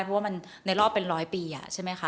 เพราะว่ามันในรอบเป็นร้อยปีใช่ไหมคะ